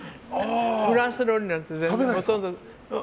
フランス料理なんてほとんど。